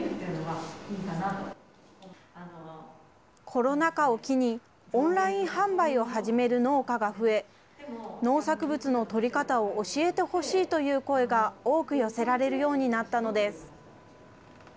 コロナ禍を機に、オンライン販売を始める農家が増え、農作物の撮り方を教えてほしいという声が多く寄せられるようになったのです。